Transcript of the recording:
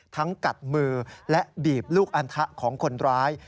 กัดมือและบีบลูกอันทะของคนร้าย